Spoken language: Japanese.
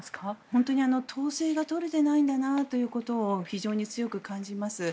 本当に統制が取れていないんだなということを非常に強く感じます。